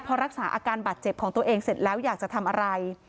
พอรักษาอาการบาดเจ็บของตัวเองเสร็จแล้วอยากจะทำอะไร